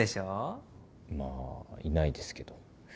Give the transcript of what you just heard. まあいないですけど。